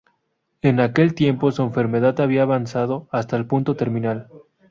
En aquel tiempo su enfermedad había avanzado hasta el punto terminal.